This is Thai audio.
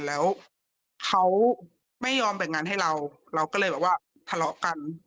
แล้วเขาไม่ยอมแบ่งงานให้เราเราก็เลยแบบว่าทะเลาะกัน